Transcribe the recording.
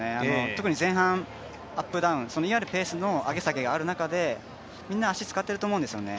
特に前半、アップダウンいわゆるペースの上げ下げがある中でみんな足を使っていると思うんですよね。